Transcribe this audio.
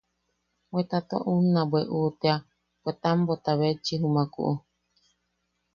Bweta tua unna bweʼu tea bwe tambota bechi jumakuʼu.